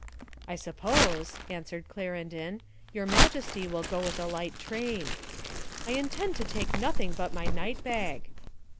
"I suppose," an swered Clarendon, "your Majesty will go with a light train." "I intend to take nothing but my night bag."